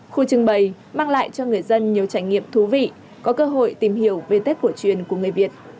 khu trưng bày mang lại cho người dân nhiều trải nghiệm thú vị có cơ hội tìm hiểu về tết cổ truyền của người việt